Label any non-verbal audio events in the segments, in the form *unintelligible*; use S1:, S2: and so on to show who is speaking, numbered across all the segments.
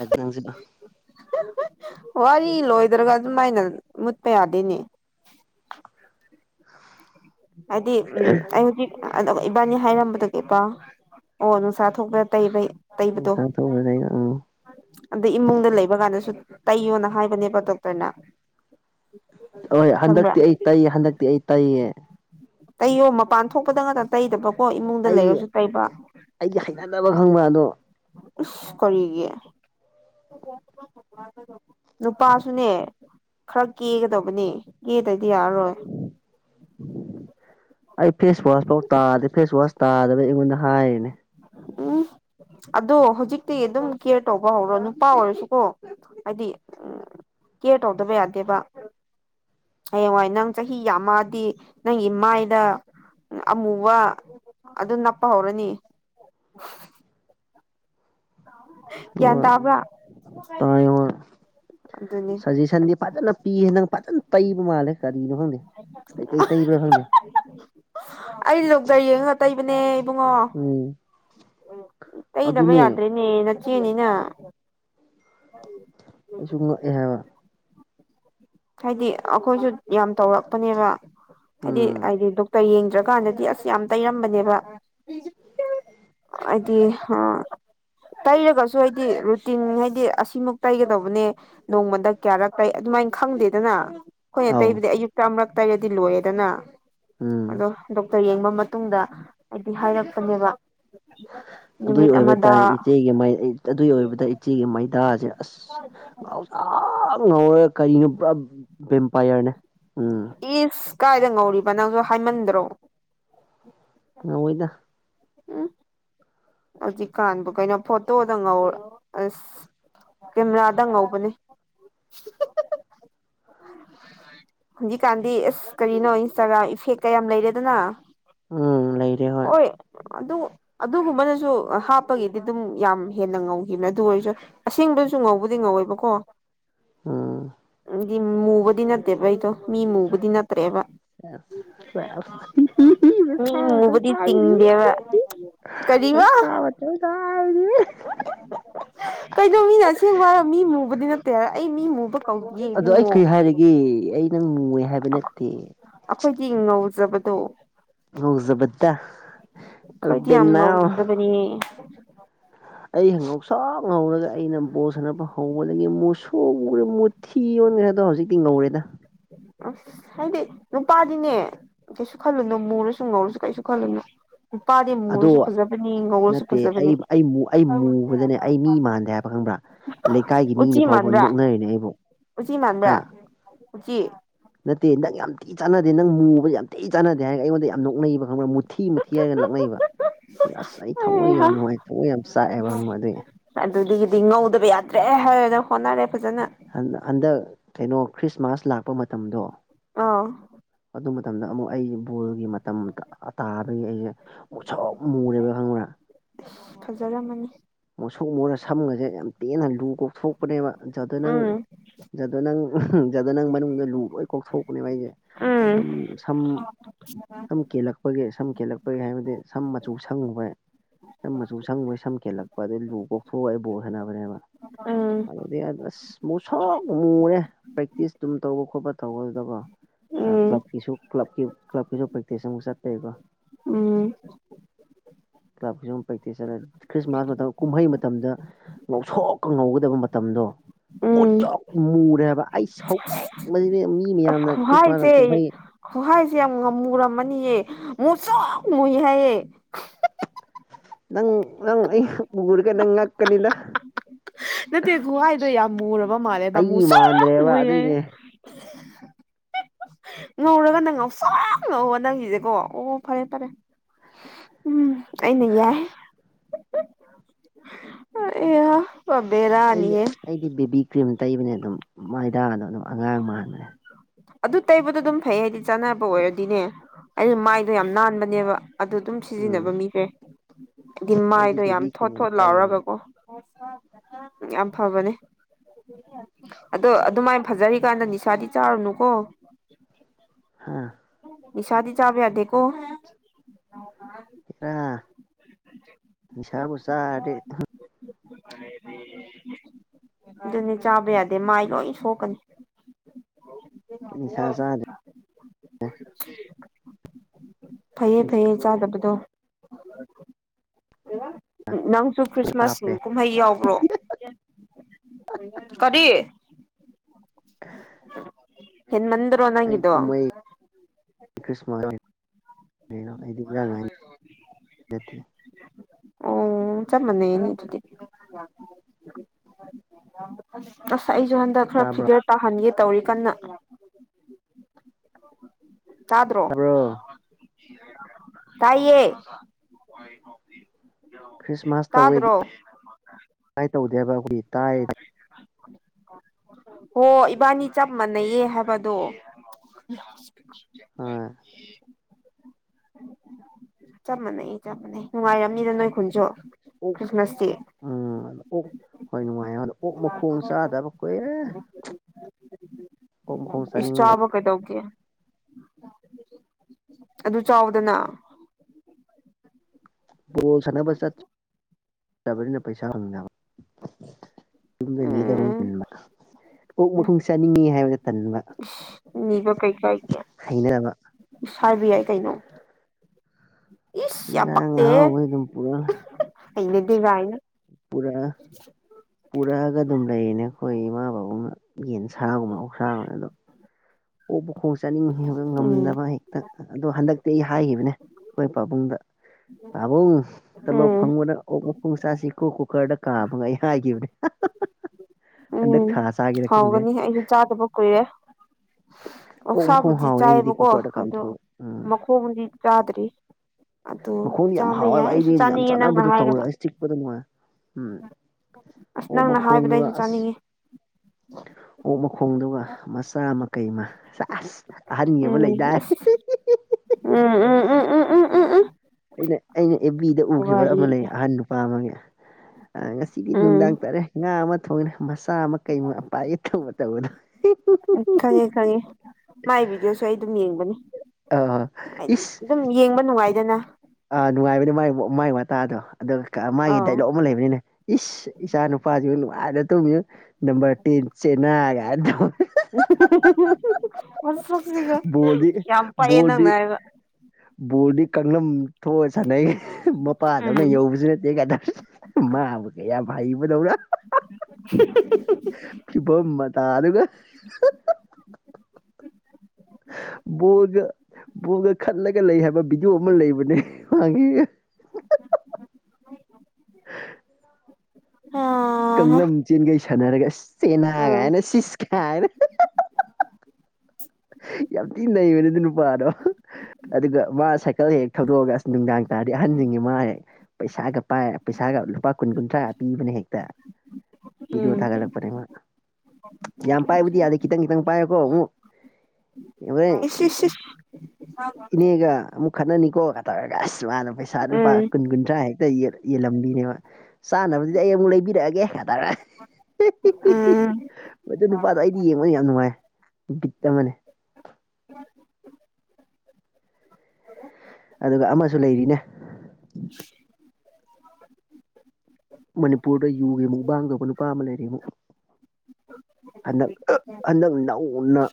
S1: ꯑꯦꯖꯪꯁꯤꯗ
S2: ꯋꯥꯔꯤ ꯂꯣꯏꯗ꯭ꯔꯒ ꯑꯗꯨꯝꯃꯥꯏꯅ ꯃꯨꯠꯄ ꯌꯥꯗꯦꯅꯦ ꯑꯗ ꯎꯝ ꯍꯧꯖꯤ ꯑꯗꯨꯒ ꯏꯕꯥꯅꯤ ꯍꯥꯏꯔꯝꯕꯗꯨꯒ ꯏꯄꯥ ꯑꯣ ꯅꯨꯡꯁꯥ ꯊꯣꯛꯇ ꯇꯩꯕꯩ ꯇꯩꯕꯗꯣ
S1: ꯅꯨꯡꯁꯥ ꯊꯣꯛꯅ ꯂꯩꯕ ꯎꯝ
S2: ꯑꯗꯩ ꯏꯃꯨꯡꯗ ꯂꯩꯕ ꯀꯥꯟꯗꯁꯨ ꯇꯩꯌꯣꯅ ꯍꯥꯏꯕꯅꯦꯕ ꯗꯣꯛꯇꯔꯅ
S1: ꯍꯣꯏ
S2: ꯈꯪꯕ꯭ꯔꯥ
S1: ꯍꯟꯗꯛꯇꯤ ꯑꯩ ꯇꯩꯌꯦ ꯍꯟꯗꯛꯇꯤ ꯑꯩ ꯇꯩꯌꯦ
S2: ꯇꯩꯌꯣ ꯃꯄꯥꯟ ꯊꯣꯛꯄꯗ ꯉꯥꯛꯇ ꯇꯩꯗꯕ ꯀꯣ ꯏꯃꯨꯡꯗ
S1: ꯑꯩ
S2: ꯂꯩꯔꯁꯨ ꯇꯩꯕ
S1: ꯑꯩꯗꯤ ꯍꯩꯅꯗꯕ ꯈꯪꯕ꯭ꯔ ꯑꯗꯣ
S2: ꯀꯒꯦ ꯅꯨꯄꯥꯁꯨꯅꯦ ꯈꯔ ꯀꯦꯒꯗꯧꯕꯅꯦ ꯀꯦꯗ ꯗꯔꯣꯏ
S1: ꯑꯩ ꯐꯦꯁ ꯋꯥꯁ ꯐꯥꯎ ꯇꯥꯗꯦ ꯐꯦꯁ ꯋꯥꯁ ꯇꯥꯗꯕꯩ ꯑꯩꯉꯣꯟꯗ ꯍꯥꯏꯔꯤꯅꯦ
S2: ꯎꯝ ꯑꯗꯣ ꯍꯧꯖꯤꯛꯇꯤ ꯑꯗꯨꯝ ꯀꯦꯌꯔ ꯇꯧꯕ ꯍꯧꯔꯣ ꯅꯨꯄꯥ ꯑꯣꯏꯔꯁꯨꯀꯣ ꯍꯥꯏꯗꯤ ꯎꯝ ꯀꯦ ꯇꯧꯗꯕ ꯌꯥꯗꯦꯕ ꯍꯌꯦꯡꯋꯥꯏ ꯅꯪ ꯆꯍꯤ ꯌꯥꯝꯃꯗꯤ ꯅꯪꯒꯤ ꯏꯃꯥꯏꯗ ꯎ ꯑꯃꯨꯕ ꯑꯗꯨ ꯅꯞꯄ ꯍꯧꯔꯅꯤ ꯌꯥꯟ
S1: ꯑꯣ
S2: ꯇꯥꯕ
S1: ꯇꯥꯏꯌꯣ ꯁꯖꯦꯁꯟꯗꯤ ꯐꯖꯅ ꯄꯤꯌꯦꯦ ꯅꯪ ꯐꯖꯅ ꯇꯩꯕ ꯃꯥꯜꯂꯦ ꯀꯔꯤꯅꯣ ꯈꯪꯗꯦ ꯀꯩꯀꯩ ꯇꯩꯕ꯭ꯔꯥ ꯈꯪꯗꯦ
S2: ꯑꯩ ꯂꯣꯛꯗ ꯌꯦꯡ ꯉ ꯇꯕꯅꯦ ꯏꯕꯨꯡꯉꯣ
S1: ꯎꯝ
S2: ꯇꯩꯗꯕ
S1: ꯑꯗꯨꯅꯦ
S2: ꯌꯥꯗ꯭ꯔꯦꯅꯦ ꯀꯅꯤꯅ
S1: ꯑꯩꯁꯨ ꯉꯛꯑꯦ ꯍꯥꯏꯕ
S2: ꯍꯥꯏꯗꯤ ꯑꯩꯈꯣꯏꯁꯨ ꯌꯥꯝ ꯇꯧꯔꯛꯄꯅꯦꯕ ꯍꯥꯏꯗꯤ
S1: ꯎꯝ
S2: ꯍꯥꯏꯗꯤ ꯗꯣꯛꯇꯔ ꯌꯦꯡꯒ ꯗ꯭ꯔꯀꯥꯟꯗꯗꯤ ꯑꯁ ꯌꯥꯝ ꯇꯩꯔꯝꯕꯅꯦꯕ ꯑꯗꯨꯗꯤ ꯑ ꯇꯩꯔꯒꯁꯨ ꯍꯥꯏꯗꯤ ꯔꯨꯇꯤꯟ ꯍꯥꯏꯗꯤ ꯑꯁꯤꯃꯨꯛ ꯇꯩꯒꯗꯧꯕꯅꯦ ꯅꯣꯡꯃꯗ ꯀꯌꯥꯔꯛ ꯇꯩ ꯑꯗꯨꯃꯥꯏꯅ ꯈꯪꯗꯦꯗꯅ ꯑꯩꯈꯣꯏꯅ
S1: ꯑꯧ
S2: ꯑꯇꯩꯩꯕꯗꯤ ꯑꯌꯨꯛꯛꯇ ꯃꯔꯛ ꯇꯩꯔꯗꯤ ꯂꯣꯏꯌꯦꯦꯗꯅ
S1: ꯎꯝ
S2: ꯑꯗꯣ ꯗꯣꯛꯇꯔ ꯌꯦꯡꯕ ꯃꯇꯨꯡꯗ ꯑꯩꯗꯤ ꯍꯥꯏꯔꯛꯄꯅꯦꯕ ꯍ
S1: ꯑꯗꯨꯏ ꯑꯣꯏꯕ ꯇꯥꯔꯦ ꯏꯆꯦꯒꯤ ꯑꯗꯨꯒꯤ ꯑꯣꯏꯕꯗ ꯏꯆꯦꯒꯤ ꯃꯩꯗꯥꯁꯦ ꯑꯁ ꯉ ꯉꯥꯎꯔꯒ ꯀꯔꯤꯅꯣ ꯄꯨꯔꯥ ꯕꯦꯝꯄꯥꯌꯔꯅꯦ
S2: ꯏꯁ ꯀꯥꯏꯗ ꯉꯧꯔꯤꯕ ꯅꯪꯁꯨ ꯍꯥꯏꯃꯟꯗ꯭ꯔꯣ
S1: ꯑ ꯑꯣꯏꯣꯏꯗ
S2: ꯎꯝ ꯍꯧꯖꯤꯛꯀꯥꯟꯕꯨ ꯀꯩꯅꯣ ꯐꯣꯇꯣꯗ ꯉꯧ ꯑꯁ ꯀꯦꯃꯦꯔꯥꯗꯪ ꯉꯧꯕꯅꯦ ꯍꯧꯖꯤꯛꯀꯥꯟꯗꯤ ꯑꯁ ꯀꯔꯤꯅꯣ ꯏꯟꯁꯇꯥꯒ꯭ꯔꯥꯝ ꯏꯐꯦꯛ ꯀꯌꯥꯝ ꯂꯩꯔꯦꯗꯅ
S1: ꯎꯝ ꯂꯩꯔꯦ ꯍꯣꯏ
S2: ꯑꯗꯨ ꯑꯗꯨꯒꯨꯝꯕꯅꯁꯨ ꯍꯥꯞꯄꯒꯤꯗꯤ ꯑꯗꯨꯝ ꯌꯥꯝ ꯍꯦꯟꯅ ꯉꯧꯈꯤꯕꯅꯦ ꯑꯗꯨ ꯑꯣꯏꯔꯁꯨ ꯑꯁꯦꯡꯕꯁꯨ ꯨ ꯉꯧꯕꯗꯤ ꯉꯧꯋꯦꯕꯀꯣ
S1: ꯑꯝ
S2: ꯃꯨꯕꯨꯗꯤ ꯅꯠꯇꯦꯕ ꯑꯩꯗꯣ ꯃꯤ ꯃꯨꯕꯨꯗꯤ ꯅ
S1: ꯁ
S2: ꯏꯕ ꯀꯔꯤꯃ ꯀꯩꯅꯣ ꯃꯤꯅ ꯑꯁꯦꯡꯕꯔ ꯃꯤ ꯃꯨꯕꯗꯤ ꯅꯠꯇꯦ ꯍꯥꯏꯔ ꯑꯩ ꯃꯤ ꯃꯨꯕ ꯀꯧꯗꯤꯌꯦ
S1: ꯑꯗꯣ ꯑꯩ
S2: ꯏꯕꯨꯡꯉꯣ
S1: ꯀꯩ ꯍꯥꯏꯔꯒꯦ ꯑꯩ ꯅꯪ ꯅꯨꯉꯦ ꯍꯥꯏꯕ ꯅꯠꯇꯦ
S2: ꯑ ꯑꯩꯈꯣꯏꯗꯤ ꯌꯥꯝ
S1: ꯍꯖꯕꯠꯇꯕꯟꯅ
S2: ꯉꯧꯖꯕꯅꯦ
S1: ꯑꯩ ꯍꯪ ꯉꯧꯁꯥ ꯉꯧꯔꯒ ꯑꯩꯅ ꯕꯣꯜ ꯁꯥꯟꯄ ꯍꯧꯕꯗꯒꯤ ꯃꯨꯠꯁꯨꯨꯨꯔꯦ ꯃꯨꯤ ꯐꯤ ꯌꯣꯟꯈ꯭ꯔꯦ ꯑꯗꯣ ꯍꯧꯖꯤꯛꯇꯤ ꯉꯧꯔꯦꯗ
S2: ꯎ ꯍꯥꯏꯗꯤ ꯅꯨꯄꯥꯗꯅꯦ ꯀꯩꯁꯨ ꯈꯜꯂꯨꯅꯨ ꯃꯨꯔꯁꯨ ꯉꯧꯔꯁꯨ ꯀꯩꯁꯨ ꯈꯜꯂꯨꯅꯨ ꯅꯨꯄꯥꯗꯤ
S1: ꯑꯗꯣ
S2: ꯃꯨꯔꯁꯨ ꯐꯖꯕꯅꯤ ꯉꯧꯔꯁꯨ
S1: ꯅꯠꯇꯦ ꯑꯩ
S2: ꯐꯖꯕꯅꯤ
S1: ꯑꯩ ꯃꯨꯕꯗꯅꯦ ꯑꯩ ꯃꯤ ꯃꯥꯟꯗꯦ ꯍꯥꯏꯕ ꯈꯪꯕ꯭ꯔꯥ ꯂꯩꯀꯥꯏꯒꯤ ꯃꯤꯅ ꯐꯥꯎꯕ ꯅꯣꯛꯅꯔꯤꯦꯅꯦ ꯑꯩꯕꯨ
S2: ꯖꯤ
S1: ꯍꯥ
S2: ꯃꯥꯟꯕ꯭ꯔꯥ ꯎꯆꯤ
S1: ꯅꯠꯇꯦ ꯅꯪ ꯌꯥꯝ ꯊꯤ ꯆꯥꯟꯅꯗꯦ ꯅꯪ ꯃꯨꯕꯁ ꯌꯥꯝ ꯊꯤ ꯆꯥꯟꯅꯗꯦ ꯍꯥꯏꯔꯒ ꯑꯩꯉꯣꯟꯗ ꯌꯥꯝꯅ ꯅꯣꯛꯅꯩꯕ ꯈꯪꯕ꯭ꯔ ꯃꯨ ꯊꯤ ꯃꯨꯊꯤ ꯍꯥꯏꯔꯒ ꯂꯥꯛꯅꯩꯕ ꯑꯁ ꯑꯩ ꯊꯃꯣꯏ
S2: ꯍꯩꯍꯥ
S1: ꯌꯥꯝ ꯅꯨꯡꯉꯥꯏ ꯊꯃꯣꯏ ꯌꯥꯝ ꯆꯥꯛꯑꯦꯕꯪꯗꯤ
S2: ꯑꯗꯨꯗꯒꯤꯗꯤ ꯉꯧꯗꯕ ꯌꯥꯗ꯭ꯔꯦ ꯍꯥꯏꯔꯅ ꯍꯣꯠꯅꯔꯦ ꯐꯖꯅ
S1: ꯍꯟꯗꯛ ꯀꯩꯅꯣ ꯈ꯭ꯔꯤꯁꯃꯥꯁ ꯂꯥꯛꯄ ꯃꯇꯝꯗꯣ
S2: ꯑꯥ
S1: ꯑꯗꯨ ꯃꯇꯝꯗ ꯑꯃꯨꯛ ꯑꯩ ꯐꯨꯠꯕꯣꯜꯒꯤ ꯃꯇꯝ ꯇꯥꯕꯒꯤ ꯑꯩꯁꯦ ꯃꯨꯠꯁꯧ ꯃꯨꯔꯦꯕ ꯈꯪꯉꯨꯔꯥ
S2: ꯐꯖꯔꯝꯃꯅꯤ
S1: ꯁꯣꯛ ꯃꯔ ꯁꯝꯒꯁꯦ ꯌꯥꯝ ꯇꯦꯟꯅ ꯂꯨ ꯀꯣꯛꯊꯣꯛꯄꯅꯦꯕ ꯖꯗ ꯅꯪ
S2: ꯎꯝ
S1: ꯖꯗ ꯅꯪ ꯖꯗ ꯅꯪ ꯃꯅꯨꯡꯗ ꯂꯨ ꯂꯣꯏ ꯀꯣꯛꯊꯣꯛꯄꯅꯦꯕ ꯑꯩꯁꯦ
S2: ꯎꯝ
S1: ꯁꯝ ꯁꯝ ꯁꯝ ꯀꯦꯜꯂꯛꯄꯒꯤ ꯁꯝ ꯀꯦꯜꯂꯛꯄꯒꯤ ꯍꯥꯏꯕꯗꯤ ꯁꯝ ꯃꯆꯨ ꯁꯪꯉꯨꯕ ꯁꯝ ꯃꯆꯨ ꯁꯪ ꯃꯣꯏ ꯁꯝ ꯀꯦꯜꯂꯛꯄ ꯑꯗꯨꯗꯩ ꯂꯨ ꯀꯣꯛꯊꯣꯛꯑ ꯑꯩ ꯕꯣꯜꯁꯕꯅꯦꯕ
S2: ꯎꯝ
S1: ꯑꯗꯨꯗꯤ ꯑꯁ ꯃꯨꯛꯁꯛ ꯃꯨꯨꯔꯦ ꯄ꯭ꯔꯦꯛꯇꯤꯁ ꯑꯗꯨꯝ ꯇꯧꯕ ꯈꯣꯠꯄ ꯇꯧꯕꯗꯨꯗꯀꯣ
S2: ꯎꯝ
S1: ꯀ꯭ꯂꯕꯀꯤꯁꯨ ꯀ꯭ꯂ ꯀ꯭ꯂꯕꯀꯤꯁꯨ ꯄ꯭ꯔꯦꯛꯇꯤꯁ ꯑꯃꯨꯛ ꯆꯠꯇꯩꯀꯣ
S2: ꯎꯝ
S1: ꯀ꯭ꯂ ꯄ꯭ꯔꯦꯛꯇꯤꯁ ꯆꯠꯂ ꯈ꯭ꯔꯤꯁꯃꯥꯁ ꯀꯨꯝꯍꯩ ꯃꯇꯝꯗ ꯉꯧꯁꯣꯛꯀ ꯉꯧꯒꯗꯕ
S2: ꯎꯝ
S1: ꯃꯨꯁꯨꯛ ꯃꯨꯔꯦꯕꯥ ꯑꯩ ꯁꯧꯅꯤꯡꯕꯥꯖꯦꯗꯤ ꯃꯤ ꯃꯌꯥꯝꯅ ꯈ꯭ꯔꯤꯁꯃꯥꯁ
S2: ꯁꯦ
S1: ꯀꯨꯝꯍꯩ
S2: ꯍꯍꯥꯏꯁꯦ ꯌꯥꯝ ꯉꯝ ꯃꯨꯔꯝꯃꯅꯤꯑ ꯃꯨꯁꯣꯛ ꯃꯨꯏ ꯌꯍꯥꯏꯌꯦ
S1: ꯅꯪ ꯅꯪ ꯑꯩꯨꯔꯒ ꯅꯪ ꯉꯥꯀꯅꯤꯗ
S2: ꯅꯠꯇꯦ ꯒꯨꯍꯥꯏꯗꯣ ꯌꯥꯝ ꯃꯨꯔꯕ ꯃꯥꯜꯂꯦ ꯕꯥ
S1: ꯑꯩꯒꯤ
S2: ꯃꯨꯁꯨ
S1: ꯃꯥꯟꯗ꯭ꯔꯦꯕ
S2: ꯃꯨ ꯌꯥ
S1: ꯑꯗꯨꯏꯅꯦ
S2: ꯉꯧꯔꯒ ꯅꯪ ꯉꯧꯁꯥꯎ ꯉꯧꯕ ꯅꯪꯒꯤꯁꯦꯀꯣ ꯑꯣ ꯐꯔꯦ ꯐꯔꯦ ꯎꯝ ꯑꯩꯅ ꯌꯥꯏ ꯄꯔꯥ
S1: ꯑꯩꯗꯤ
S2: ꯕꯦꯔꯥꯅꯤꯌꯦ
S1: ꯑꯩꯗꯤ ꯕꯦꯕꯤ ꯀ꯭ꯔꯤꯝ ꯇꯩꯕꯅꯦ ꯑꯗꯨꯝ ꯃꯥꯏꯗꯥꯗꯣ ꯑꯗꯨꯝ ꯑꯉꯥꯡ ꯃꯥꯟꯕꯅꯦ
S2: ꯑꯗꯨ ꯇꯩꯕꯗꯣ ꯑꯗꯨꯝ ꯐꯩ ꯍꯥꯏꯗꯤ ꯆꯥꯅꯕ ꯑꯣꯏꯔꯗꯤꯅꯦ ꯑꯩ ꯃꯥꯏꯗꯣ ꯌꯥꯝ ꯅꯥꯟꯕꯅꯦꯕ ꯑꯗꯨ ꯑꯗꯨꯝ
S1: ꯎꯝ
S2: ꯁꯤꯖꯤꯟꯅꯕ ꯃꯤꯁꯩ ꯍꯥꯏꯗꯤ
S1: ꯑꯩꯗꯤ
S2: ꯃꯥꯏꯗꯣ ꯌꯥꯝ
S1: ꯕꯦꯕꯤ
S2: ꯊꯣꯠ
S1: ꯀ꯭ꯔꯤꯝ
S2: ꯊꯣꯠ
S1: ꯇꯩꯕꯅꯦ
S2: ꯂꯥꯎꯔꯒꯀꯣ ꯌꯥꯝ ꯐꯕꯅꯦ ꯑꯗꯣ ꯑꯗꯨꯃꯥꯏꯅ ꯐꯖꯔꯤ ꯗꯨꯀꯥꯟꯗꯅꯤ ꯁꯥꯗꯤ ꯆꯥꯔꯅꯨ ꯀꯣ
S1: ꯍꯥꯥ
S2: ꯅꯤꯁꯥꯗꯤ ꯆꯥꯕ ꯌꯥꯗꯀꯣ
S1: ꯍꯔ ꯅꯤꯁꯥꯕꯨ ꯆꯥꯔꯗꯤ
S2: ꯑ *unintelligible* ꯑꯗꯨꯅꯦ ꯆꯥꯕ ꯌꯥꯗꯦ ꯃꯥꯏ ꯂꯣꯏ ꯁꯣꯛꯀꯅꯤ
S1: ꯑꯩꯈꯣꯏ ꯅꯤꯁꯥ ꯆꯥꯗꯦ
S2: *inaudible* ꯐꯩꯌꯦ
S1: ꯅꯤꯁꯥ
S2: ꯐꯩꯌꯦ ꯆꯥꯗꯕꯗꯣ ꯅꯪꯁꯨ ꯈ꯭ꯔꯤꯁꯃꯥꯁ
S1: ꯀꯥꯞꯄꯦ
S2: ꯀꯨꯝꯍꯩ ꯌꯥꯎꯕ꯭ꯔꯣ ꯀꯔꯤ ꯌꯦꯟꯃꯟꯔꯑꯣ ꯅꯒꯗꯨꯣ
S1: ꯀ꯭ꯔꯤꯃꯣꯒ ꯉ *unintelligible*
S2: ꯑꯣ ꯆꯃ ꯃꯥꯅꯦꯅꯤ ꯗꯨꯗꯤ ꯑꯁ ꯑꯩꯁꯨ ꯍꯟꯗꯛ ꯈꯔ
S1: ꯇꯥꯕ꯭ꯔꯣ
S2: ꯐꯤꯒꯔ ꯇꯥꯍꯟꯒꯦ ꯇꯧꯔꯤ ꯀꯟꯅ ꯇꯥꯗ꯭ꯔꯣ
S1: ꯇꯥꯕ꯭ꯔꯣ
S2: ꯇꯥꯏꯌꯦ
S1: ꯈ꯭ꯔꯤꯁꯃꯥꯁ ꯇꯧꯋꯦ
S2: ꯇꯥꯗ꯭ꯔꯣ
S1: ꯀꯥꯏ ꯇꯧꯗꯦꯕ ꯑꯩꯈꯣꯏꯒꯤ ꯇꯥꯏ
S2: ꯍꯣ ꯏꯕꯥꯅꯤ ꯆꯞ ꯃꯥꯟꯅꯩꯌꯦ ꯍꯥꯏꯕꯗꯣ
S1: ꯍꯣꯏ
S2: ꯆꯞ ꯃꯥꯟꯅꯩ ꯆꯞ ꯃꯥꯟꯅꯩ ꯅꯨꯡꯉꯥꯏꯔꯝꯅꯤꯗ ꯅꯣꯏ ꯈꯨꯟꯁꯨ
S1: ꯑꯣ
S2: ꯈ꯭ꯔꯤꯁꯃꯥꯁꯇꯤ
S1: ꯎꯝ ꯑꯣꯛ ꯍꯣꯏ ꯅꯨꯡꯉꯥꯏꯗꯣ ꯑꯣꯛ ꯃꯈꯣꯡ ꯆꯥꯗꯕ ꯀꯨꯏꯔꯦ ꯑꯣꯛ ꯃꯈꯣꯡ
S2: ꯏꯁ
S1: ꯆꯥꯅꯤꯡꯕ
S2: ꯆꯥꯕ ꯀꯩꯗꯧꯒꯦ ꯑꯗꯨ ꯆꯥꯎꯗꯅ
S1: ꯕꯣꯜ ꯁꯥꯟꯅꯕ ꯆꯕꯅꯤꯅ ꯄꯩꯁꯥ ꯐꯪꯗꯕ ꯌꯨꯝꯗꯅꯤꯗ
S2: ꯎꯝ
S1: ꯑꯣꯣꯛ ꯃꯊꯨꯝ ꯆꯥꯅꯤꯡꯉꯦ ꯍꯥꯏꯕꯗ ꯇꯟꯕ
S2: ꯅꯤꯕ ꯀꯩꯀꯥꯏꯒꯦ
S1: ꯍꯩꯅꯗꯕ
S2: ꯍꯥꯏꯕ ꯌꯥꯏ ꯀꯩꯅꯣ ꯑꯁ ꯌꯥꯝ
S1: ꯏꯟꯖꯥꯡ
S2: ꯄꯛꯇꯦ
S1: ꯑꯍꯥꯎꯕ ꯑꯗꯨꯝ ꯄꯨꯔ
S2: ꯑꯩꯅ ꯗꯦꯒꯥꯏꯅ *inaudible*
S1: ꯄꯨꯔꯛꯑꯒ ꯑꯗꯨꯝ ꯂꯩꯌꯦꯅꯦ ꯑꯩꯈꯣꯏ ꯏꯃꯥ ꯕꯥꯕꯅ ꯌꯦꯟ ꯁꯥꯒꯨꯝꯕ ꯑꯧꯁꯥꯒ ꯑꯗꯣ ꯑꯣꯄ ꯈꯣꯡ ꯆꯠꯅꯤꯡꯦ ꯍꯥꯏꯕ
S2: ꯎꯝ
S1: ꯉꯝꯗꯕ ꯍꯦꯛꯇ ꯑꯗꯣ ꯍꯟꯗꯛ ꯑ ꯑꯩ ꯍꯥꯏꯈꯤꯕꯅꯦ ꯑꯩꯈꯣꯏ ꯄꯥꯕꯨꯡꯗ ꯄꯥꯕꯨꯡ ꯇꯂꯣꯞ
S2: ꯎꯝ
S1: ꯐꯪꯕꯗ ꯑꯣꯛ ꯃꯣꯡ ꯆꯥꯁꯤ ꯀ ꯀꯨꯀꯔꯗ ꯀꯥꯕ ꯉ ꯑꯩ ꯍꯥꯏꯈꯤꯕꯅꯦ ꯍꯟꯗꯛ
S2: ꯎꯝ
S1: ꯊꯥ ꯆꯥꯒꯦꯔꯥ ꯈꯪꯗꯦ
S2: ꯍꯒꯅꯤ ꯑꯩꯁꯨ ꯆꯥꯗꯕ ꯀꯨꯏꯔꯦ
S1: ꯑꯣꯛ ꯃꯈꯣꯡ
S2: ꯑꯣꯛꯁꯥꯕꯨꯗꯤ
S1: ꯍꯥꯎꯋꯦ ꯑꯩꯒꯤꯗꯤ
S2: ꯆꯥꯏꯕꯀꯣ
S1: ꯀꯨꯀꯔꯗ
S2: ꯑꯗꯣ
S1: ꯀꯥꯝꯊꯣꯛ ꯎꯝ
S2: ꯃꯈꯣꯡꯕꯨꯗꯤ ꯆꯥꯗ꯭ꯔꯤ ꯑꯗꯨ
S1: ꯃꯈꯣꯡꯗꯤ ꯌꯥꯝ
S2: ꯆꯥꯝꯕ ꯌꯥꯏ
S1: ꯍꯥꯎꯋꯦꯕ
S2: ꯑꯩꯁꯨ
S1: ꯑꯩꯗꯤ ꯌꯥꯝ
S2: ꯆꯥꯅꯤꯡꯉꯦ ꯅꯪꯅ
S1: ꯆꯥꯅꯕꯗꯣ
S2: ꯍꯥꯏꯔꯒ
S1: ꯇꯧꯔꯛꯑꯦ
S2: ꯑꯁ
S1: ꯑꯣ
S2: ꯅꯪꯅ ꯍꯥꯏꯕꯗ
S1: ꯃꯈꯣꯡꯗꯨ
S2: ꯑꯩꯁꯨ
S1: ꯑꯁ
S2: ꯆꯥꯅꯤꯡꯉꯦ
S1: ꯑꯣ ꯃꯈꯣꯡ ꯈꯣꯡꯗꯨꯒ ꯃꯆꯥ ꯑꯃ ꯀꯩ ꯑꯃ ꯑꯍꯟ ꯑꯃ
S2: ꯎꯝ
S1: ꯂꯩꯗꯥꯏ
S2: ꯑꯁ ꯎꯝ ꯎꯝ ꯎꯝ ꯎꯝ ꯎꯝ ꯎꯝ ꯎꯝ
S1: ꯑꯩꯅ ꯑꯩꯅ ꯑꯦꯕꯤꯗ ꯎꯈꯤꯕ ꯑꯃ ꯂꯩ
S2: ꯋꯥꯔꯤꯗꯣ
S1: ꯑꯍꯟ ꯅꯨꯄꯥ ꯑꯃꯒꯤ ꯑ ꯉꯁꯤꯗꯤ
S2: ꯎꯝ
S1: ꯅꯨꯡꯗꯥꯡ ꯇꯔꯦ ꯉꯥ ꯑꯃ ꯊꯣꯡꯉꯦ ꯃꯁꯥ ꯑꯃ ꯀꯩ ꯄꯥꯏꯑ ꯊꯧꯕ ꯇꯧꯕꯗꯣ
S2: ꯈꯪꯉꯦ ꯈꯪꯉꯦ ꯃꯥꯏ ꯚꯤꯗꯤꯑꯣꯁꯨ ꯑꯩ ꯑꯗꯨꯝ ꯌꯦꯡꯕꯅꯤ
S1: ꯑꯥ
S2: ꯍꯥꯏꯗꯤ
S1: ꯏꯁ
S2: ꯑꯗꯨꯝ ꯌꯦꯡꯕ ꯅꯨꯡꯉꯥꯏꯗꯅ
S1: ꯅꯨꯡꯉꯥꯏꯕꯅꯤꯒꯤ ꯃꯥꯒꯤ ꯋꯥꯗꯣ ꯑꯗꯨꯒ ꯃꯥꯒꯤ
S2: ꯑꯥꯎ
S1: ꯗꯥꯏꯂꯣꯛ ꯑꯃ ꯂꯩꯕꯅꯤꯅ ꯏꯁ ꯏꯆꯥ ꯅꯨꯄꯥꯁꯤ ꯗ ꯇꯨꯝ ꯅꯝꯕꯔ ꯇꯦꯟ ꯆꯦꯟꯅꯒꯝ
S2: ꯃꯁꯛꯁꯤꯒ
S1: ꯣꯗꯤ
S2: ꯌꯥꯝ ꯄꯛꯑꯦ
S1: ꯣꯗꯤ
S2: ꯅꯪꯅ ꯍꯥꯏꯕ
S1: ꯣꯗꯤ ꯀꯥꯡꯪꯅꯝ ꯊꯣꯛꯑ ꯁꯥꯟꯅꯩ ꯃꯄꯥꯗꯧꯅ
S2: ꯎꯝ
S1: ꯌꯧꯕꯁꯨ ꯅꯠꯇꯦ ꯀꯗ ꯃꯥꯕꯨ ꯀꯌꯥꯝ ꯃꯍꯩꯕꯗꯧꯔꯥ ꯏꯄꯝꯕ ꯇ ꯑꯗꯨꯒꯒ ꯕꯣꯔꯒ ꯕꯣꯔꯒ ꯈꯠꯂꯒ ꯂꯩ ꯍꯥꯏꯕ ꯚꯤꯗꯤꯑꯣ ꯑꯃ ꯂꯩꯕꯅꯦ ꯍ ꯀꯥꯡ
S2: ꯑꯥ
S1: ꯆꯦꯟꯒꯩ ꯁꯥꯟꯅꯔꯒ ꯆꯦꯅꯥ
S2: ꯎꯝ
S1: ꯀꯥꯏꯅ ꯁꯤꯁꯀ ꯍꯥꯏꯅ ꯌꯥꯝ ꯊꯤ ꯅꯩꯕꯅꯤ ꯑꯗꯨ ꯅꯨꯄꯥꯗꯣ ꯑꯗꯨꯒ ꯃꯥ ꯁꯥꯏꯀꯜ ꯍꯦꯛ ꯊꯧꯗꯣꯛꯑꯒ ꯑꯁ ꯅꯨꯡꯗꯥꯡ ꯇꯗꯤ ꯑꯖꯉꯤ ꯃꯥꯌꯦꯦ ꯄꯩꯁꯥꯒ ꯄꯥꯏ ꯄꯩꯁꯥꯒ ꯂꯨꯄꯥ ꯀꯨꯟ ꯀꯨꯟꯊ꯭ꯔꯥ ꯄꯤꯕꯅ ꯍꯦꯛꯇ ꯚꯗꯤꯑꯣ
S2: ꯎꯝ
S1: ꯊꯥꯒꯠꯂꯛꯄꯅꯦ ꯉ ꯌꯥꯝ ꯄꯥꯏꯕꯨꯗꯤ ꯌꯥꯗꯦ ꯈꯤꯇꯪ ꯈꯤꯇꯪ ꯄꯥꯏꯔꯀꯣ ꯑꯃꯨꯛ ꯌꯥꯝꯕꯔꯦ
S2: ꯎꯝ
S1: ꯏꯅꯦꯒ ꯑꯃꯨꯛ ꯈꯠꯅꯅꯤ ꯀꯣ ꯈ ꯇꯔꯒꯥꯁ ꯃꯥꯅ ꯄꯩꯁꯥ ꯂꯨꯄꯥ ꯀꯨꯟ ꯀꯨꯟꯊ꯭ꯔꯥ ꯍꯥꯏꯦꯛꯇ ꯌꯦ ꯂꯝꯕꯤꯅꯦꯕ ꯆꯥꯅꯕꯗꯨꯗꯤ ꯑꯩ ꯑꯃꯨꯛ ꯂꯩꯕꯤꯔꯛꯑꯒꯦ ꯍꯥꯏꯇꯥꯔꯦ
S2: ꯎꯝ
S1: ꯃ ꯅꯨꯄꯥꯗꯣ ꯑꯩꯗꯤ ꯌꯦꯡꯕꯅ ꯌꯥꯝ ꯅꯨꯡꯉꯥꯏ ꯗ ꯃꯅꯦ ꯑꯗꯨꯒ ꯑꯃꯁꯨ ꯂꯩꯔꯤꯅꯦ ꯃꯅꯤꯄꯨꯔꯗ ꯌꯨꯒꯤ ꯑꯃꯨꯛꯕꯥꯥꯡꯗꯕ ꯅꯨꯄꯥ ꯑꯃ ꯂꯩꯔꯤ ꯑꯃꯨꯛ ꯍꯟꯗꯛ ꯍꯟꯗꯛ ꯅꯧꯅ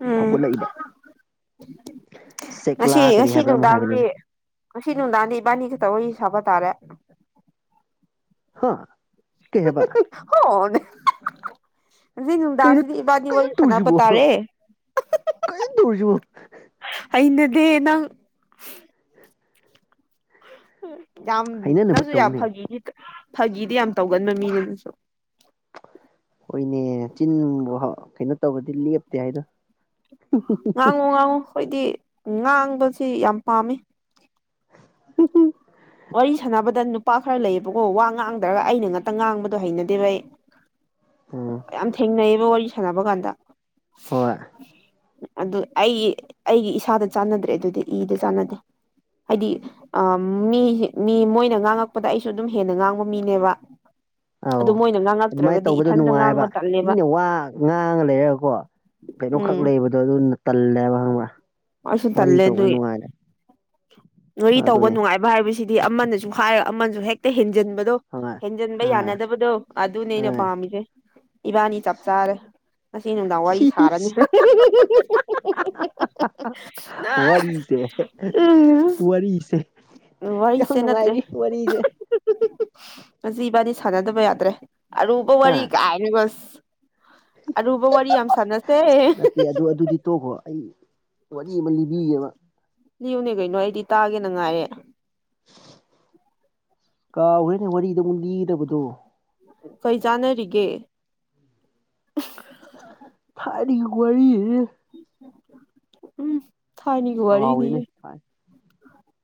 S2: ꯎꯝ
S1: ꯐꯥꯎꯒꯠꯂꯛꯏꯕ ꯁꯦꯛꯂꯥ
S2: ꯉꯁꯤ
S1: ꯀꯔꯤ
S2: ꯉꯁꯤ
S1: ꯍꯥꯏꯕ꯭ꯔꯥ ꯑꯃ
S2: ꯅꯨꯡꯗꯥꯡꯗꯤ
S1: ꯍꯥꯏꯕꯅꯤꯅꯦ
S2: ꯉꯁꯤ ꯅꯨꯡꯗꯥꯡꯗꯤ ꯏꯕꯥꯅꯤ ꯈꯛꯇ ꯋꯥꯔꯤ ꯁꯥꯕ ꯇꯥꯔꯦ
S1: ꯍꯥ ꯀꯩ ꯍꯥꯏꯕ
S2: ꯍꯅꯦ
S1: ꯀꯩꯅꯣ
S2: ꯏꯕꯥꯅꯤ
S1: ꯀꯔꯤꯝ
S2: ꯋꯥꯔꯤ ꯁꯥꯟꯅꯕ
S1: ꯇꯧꯔꯤꯁꯤꯕꯣ
S2: ꯇꯥꯔꯦ
S1: ꯀꯔꯤꯝ ꯇꯧꯔꯤꯁꯤꯕꯣ
S2: ꯑꯩꯅꯗꯦ ꯅꯪ ꯌꯥꯝ
S1: ꯍꯩꯅꯅꯕ
S2: ꯅꯪꯁꯨ ꯌꯥꯝ
S1: ꯇꯧꯅꯦ
S2: ꯐꯥꯒꯤꯗꯤ ꯐꯥꯒꯤꯗꯤ ꯌꯥꯝ ꯇꯧꯒꯟꯕ ꯃꯤꯅꯅꯪꯁꯨ
S1: ꯍꯣꯏꯅꯦ ꯆꯤꯟꯕꯨ ꯀꯩꯅꯣ ꯇꯧꯔꯗꯤ ꯂꯦꯞꯇꯦ ꯍꯥꯏꯗꯣ
S2: ꯉꯥꯡꯉꯨ ꯉꯥꯡꯉꯨ ꯑꯩꯣꯏꯗꯤ ꯉꯥꯡꯕꯁꯤ ꯌꯥꯝ ꯄꯥꯝꯃꯤ
S1: ꯎ
S2: ꯋꯥꯔꯤ ꯁꯥꯟꯅꯕꯗ ꯅꯨꯄꯥ ꯈꯔ ꯂꯩꯌꯦꯕꯀꯣ ꯋꯥ ꯉꯥꯡꯗ꯭ꯔꯒ ꯑꯩꯅ ꯉꯥꯛꯇ ꯉꯥꯡꯕꯗꯣ ꯍꯩꯅꯗꯦꯕ ꯑꯩ
S1: ꯎꯝ
S2: ꯌꯥꯝ ꯊꯦꯡꯅꯩꯌꯦꯕ ꯋꯥꯔꯤ ꯁꯥꯟꯅꯕ ꯀꯥꯟꯗ
S1: ꯍꯣꯏ
S2: ꯑꯗꯨ ꯑꯩꯒꯤ ꯑꯩꯒꯤ ꯏꯁꯥꯗ ꯆꯥꯟꯅꯗ꯭ꯔꯦ ꯑꯗꯨꯗꯤ ꯏꯗ ꯆꯥꯟꯅꯗꯦ ꯍꯥꯏꯗꯤ ꯑ ꯃꯤ ꯃꯤ ꯃꯣꯏꯅ ꯉꯥꯡꯉꯛꯄꯗ ꯑꯩꯁꯨ ꯑꯗꯨꯝ ꯍꯦꯟꯅ ꯉꯥꯡꯕ ꯃꯤꯅꯦꯕ
S1: ꯑꯧ
S2: ꯑꯗꯨ ꯃ
S1: ꯑꯗꯨꯃꯥꯏꯅ ꯇꯧꯕꯗꯣ ꯅꯨꯡꯉꯥꯏꯕ ꯃꯤꯅ ꯋꯥ ꯉꯥꯡꯉ ꯂꯩꯔꯒꯀꯣ ꯀꯩꯅꯣ ꯈꯛ
S2: ꯎꯝ
S1: ꯂꯩꯕꯗꯣ ꯑꯗꯨꯅ ꯇꯜꯂꯦꯕ ꯍꯪꯕ
S2: ꯑꯩꯁꯨ ꯇꯜꯂꯦ ꯑꯗꯨꯏ ꯉꯔꯤ ꯇꯧꯕ
S1: ꯑꯗꯨꯅꯦ
S2: ꯅꯨꯡꯉꯥꯏꯕ ꯍꯥꯏꯕꯁꯤ ꯑꯃꯅꯁꯨ ꯍꯥꯏꯔꯒ ꯑꯃꯁꯁꯨ ꯍꯦꯛꯇ ꯍꯦꯟꯖꯤꯟ ꯗꯣ
S1: ꯍꯣꯏ
S2: ꯍꯦꯟꯖꯤꯟꯕ
S1: ꯍꯣꯏ
S2: ꯌꯥꯅꯗꯕꯗꯣ ꯑꯗꯨꯅꯦ ꯑꯩꯅ
S1: ꯍꯣꯏ
S2: ꯄꯥꯝꯃꯤꯁꯦ ꯏꯕꯥꯅꯤ ꯆꯞ ꯆꯥꯔꯦ ꯑꯁꯤ ꯅꯅꯨꯡꯗꯥ ꯋꯥꯔꯤ ꯁꯥꯔꯅꯤ
S1: ꯁꯤꯁ ꯋꯥꯔꯤꯔꯤꯁꯦ
S2: ꯎꯝ
S1: ꯋꯥꯔꯤꯔꯤꯁꯦ ꯌꯥꯝ ꯅꯨꯡꯉꯥꯏꯔꯤ ꯋꯥꯔꯤꯁꯦ
S2: ꯉꯕꯥꯅꯤ ꯁꯥꯟꯅꯗꯕ ꯌꯥꯗ꯭ꯔꯦ ꯑꯔꯨꯕ ꯋꯥꯔꯤ
S1: ꯍꯥ
S2: ꯀꯥꯏꯁ
S1: ꯅꯠꯇꯦ ꯑꯗꯨ ꯑꯗꯨꯗꯤ ꯇꯣꯛꯈꯣ ꯑꯩ ꯋꯥꯔꯤ ꯑꯃ ꯂꯤꯕꯤꯒꯕ
S2: ꯂꯤꯌꯨꯅꯦ ꯀꯩꯅꯣ ꯑꯩꯗꯤ ꯇꯥꯒꯦꯅ ꯉꯥꯏꯔꯦ
S1: ꯀꯥ ꯍꯣꯔꯦꯅ ꯋꯥꯔꯤꯗ ꯑꯃꯨꯛ ꯂꯤꯗꯕꯗꯣ
S2: ꯀꯩꯖꯥꯅꯔꯤꯒꯦ
S1: ꯑꯗꯤ ꯀ ꯄꯨꯋꯥꯔꯤ
S2: ꯎꯝ ꯊꯥꯏꯅꯒꯤ
S1: ꯀꯥꯎꯔꯦꯅꯦ
S2: ꯋꯥꯔꯤꯅꯤꯌꯦ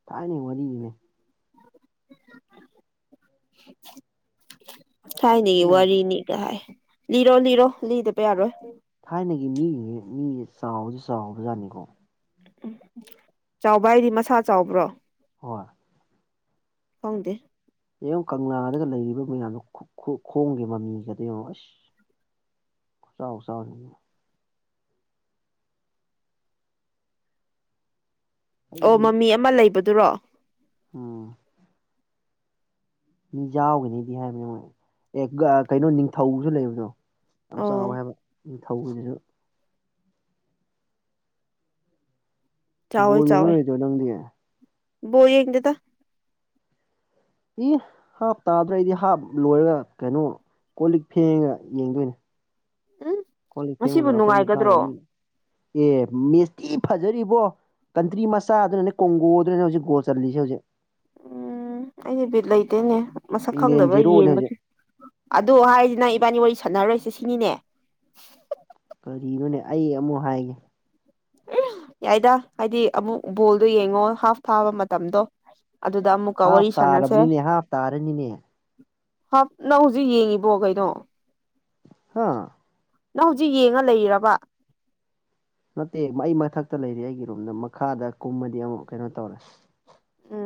S1: ꯊꯥꯏꯅꯩ ꯋꯥꯔꯤꯅꯤꯅꯦ
S2: ꯊꯥꯏꯅꯦ
S1: ꯑꯩꯅ
S2: ꯋꯥꯔꯤꯅꯤ ꯀꯥꯏ ꯂꯤꯔꯣ ꯂꯤꯔꯣ ꯂꯤꯗ ꯄꯌꯥꯔꯣ
S1: ꯊꯥꯏꯅꯒꯤ ꯃꯤ ꯃꯤ ꯆꯥꯎꯕꯗꯤ ꯆꯥꯎꯕꯖꯥꯠꯅꯤꯀꯣ
S2: ꯎ ꯆꯥꯎꯕ ꯍꯥꯏꯗꯤ ꯃꯁꯥ ꯆꯥꯎꯕ꯭ꯔꯣ
S1: ꯍꯣꯏ
S2: ꯐꯪꯗꯦ
S1: ꯌꯦꯡꯉ ꯀꯪꯂꯥꯗꯒ ꯂꯩꯔꯤꯕ ꯃꯌꯥꯝꯗꯣ ꯈꯣꯡꯒꯦ ꯃꯃꯤꯒꯗꯣ ꯌꯦꯡꯉꯣ ꯑꯁ ꯑꯣꯁꯥꯎꯁꯥꯎ
S2: ꯑꯣ ꯃꯃꯤ ꯑꯃ ꯂꯩꯕꯗꯨꯔꯣ
S1: ꯑꯣ ꯃꯤ ꯌꯥꯎꯒꯅꯤꯗꯤ ꯍꯥꯏꯕꯅꯦ ꯃꯣꯏ ꯑꯦ ꯀꯩꯅꯣ ꯅꯤꯡꯊꯧꯁꯨ ꯂꯩꯕꯗꯣ ꯌꯥꯝ
S2: ꯑꯣ
S1: ꯆꯥꯎꯋꯦ ꯍꯥꯏꯕ ꯅꯤꯡꯊꯧꯒꯤꯁꯤꯁꯨ ꯕꯣꯜ ꯌꯦꯡꯉꯔꯣꯢꯗ꯭ꯔꯣ ꯅꯪꯗꯤ
S2: ꯕꯥꯜꯛ ꯌꯦꯪꯗꯦꯗꯥ
S1: ꯏ ꯍꯥꯞ ꯇꯥꯗ꯭ꯔꯩꯗꯤ ꯍꯥꯞ ꯀꯣꯜ ꯂꯤꯛ ꯐꯦꯡꯉꯒ ꯌꯦꯡꯗꯣꯏꯅꯦ
S2: ꯎꯝ
S1: ꯀꯣꯜ ꯂꯤꯛ ꯐꯦꯡꯕꯗ
S2: ꯉꯁꯤꯕꯨ
S1: ꯑꯩꯈꯣꯏ
S2: ꯅꯨꯡꯉꯥꯏꯒꯗ꯭ꯔꯣ
S1: ꯃꯈꯥꯗꯅꯤ ꯑꯦ ꯃꯦꯁꯊꯤ ꯐꯖꯔꯤꯕꯣ ꯀꯟꯇ꯭ꯔꯤ ꯃꯆꯥꯗꯨꯅꯅꯦ ꯀꯣꯡꯒꯣꯗꯨꯅꯅꯦ ꯍꯧꯖꯤꯛ ꯒꯣꯜ ꯆꯁꯦ ꯍꯧꯖꯤꯛ
S2: ꯎꯝ ꯑꯩꯗꯤ ꯕꯤꯠ ꯂꯩꯇꯦꯅꯦ ꯃꯁꯛ
S1: ꯏꯪꯂꯦꯟ
S2: ꯈꯪꯗꯕ꯭ꯔꯥ
S1: ꯖꯦꯔꯣꯅꯦ ꯍꯧꯖꯤꯛ
S2: ꯌꯦꯡꯕꯁꯦ ꯑꯗꯨ ꯍꯥꯏꯔꯤꯁꯤ ꯅꯪ ꯏꯕꯥꯅꯤ ꯋꯥꯔꯤ ꯁꯥꯟꯅꯔꯣꯏꯁꯦ ꯁꯤꯅꯤꯅꯦ
S1: ꯀꯔꯤꯅꯣꯅꯦ ꯑꯩ ꯑꯃꯨꯛ ꯍꯥꯏꯒꯦ
S2: ꯌꯥꯏꯗ ꯍꯥꯏꯗꯤ ꯑꯃꯨꯛ ꯕꯣꯜꯗꯣ ꯌꯦꯡꯉꯣ ꯍꯥꯐ ꯊꯥꯕ ꯃꯇꯝꯗꯣ ꯑꯗꯨꯗ ꯑꯃꯨꯛꯀ ꯋꯥꯔꯤ
S1: ꯍꯥꯐ
S2: ꯁꯥꯟꯅꯁꯦ
S1: ꯇꯥꯔꯕꯅꯤꯅꯦ ꯍꯥꯐ ꯇꯥꯔꯅꯤꯅꯦ
S2: ꯍꯥꯞ ꯅꯪ ꯍꯧꯖꯤꯛ ꯌꯦꯡꯉꯤꯕꯣ ꯀꯩꯅꯣ
S1: ꯍꯥ
S2: ꯅꯪ ꯍꯧꯖꯤꯛ ꯌꯦꯡꯉ ꯂꯩꯔꯕ
S1: ꯅꯠꯇꯦ ꯑꯩ ꯃꯊꯛꯇ ꯂꯩꯔꯤ ꯑꯩꯒꯤ ꯔꯨꯝꯗ ꯃꯈꯥꯗ ꯀꯨꯝꯃꯗꯤ ꯑꯃꯨꯛ ꯀꯩꯅꯣ ꯇꯧꯔꯦ
S2: ꯎꯝ